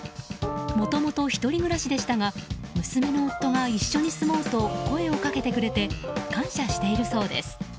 もともと１人暮らしでしたが娘の夫が、一緒に住もうと声をかけてくれて感謝しているそうです。